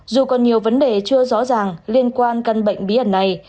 dù còn nhiều vấn đề chưa rõ ràng liên quan căn bệnh bí ẩn này